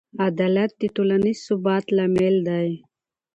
عدالت د ټولنیز ثبات لامل دی.